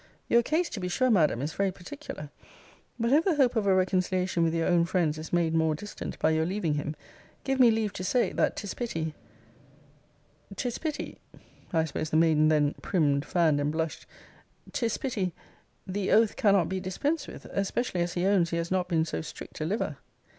Your case, to be sure, Madam, is very particular: but if the hope of a reconciliation with your own friends is made more distant by your leaving him, give me leave to say, that 'tis pity 'tis pity [I suppose the maiden then primm'd, fann'd, and blush'd 'tis pity] the oath cannot be dispensed with; especially as he owns he has not been so strict a liver.